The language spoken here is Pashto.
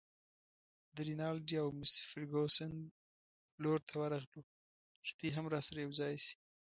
د رینالډي او مس فرګوسن لور ته ورغلو چې دوی هم راسره یوځای شي.